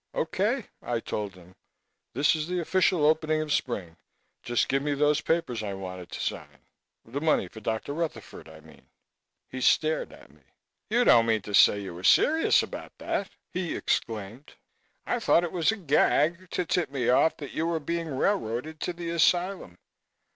"Okay," I told him. "This is the official opening of spring. Just give me those papers I wanted to sign. The money for Dr. Rutherford, I mean." He stared at me. "You don't mean to say you were serious about that!" he exclaimed. "I thought it was a gag to tip me off that you were being railroaded to the asylum.